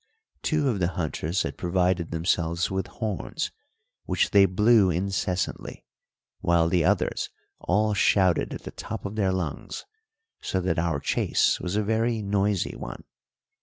Two of the hunters had provided themselves with horns, which they blew incessantly, while the others all shouted at the top of their lungs, so that our chase was a very noisy one.